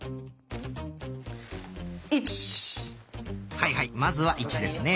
はいはいまずは「１」ですね。